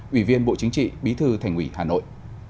ủy viên bộ chính trị bí thư thành ủy hà nội